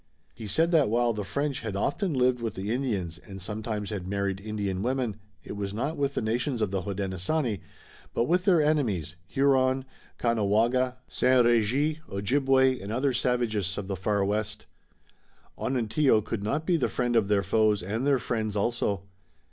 He said that while the French had often lived with the Indians, and sometimes had married Indian women, it was not with the nations of the Hodenosaunee, but with their enemies, Huron, Caughnawaga, St. Regis, Ojibway and other savages of the far west. Onontio could not be the friend of their foes and their friends also.